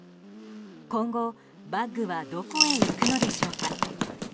今後バッグはどこへ行くのでしょうか。